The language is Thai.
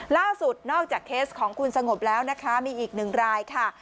ล่าสุดนอกจากเคสของคุณสงบแล้วนะคะมีอีกหนึ่งรายค่ะ